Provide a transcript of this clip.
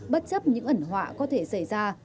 bất chấp những ẩn họa có thể xảy ra